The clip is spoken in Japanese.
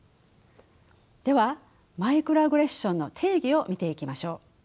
ではマイクロアグレッションの定義を見ていきましょう。